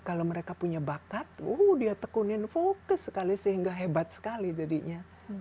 kalau mereka punya bakat dia tekunin fokus sekali sehingga hebat sekali jadinya